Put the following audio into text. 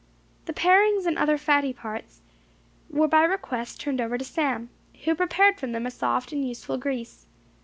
The parings and other fatty parts were by request turned over to Sam, who prepared from them a soft and useful grease.